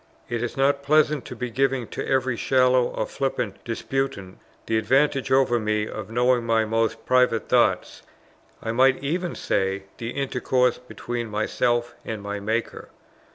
It is not pleasant to be giving to every shallow or flippant disputant the advantage over me of knowing my most private thoughts, I might even say the intercourse between myself and my Maker.